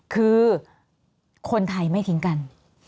คือคนไทยไม่ทิ้งกัน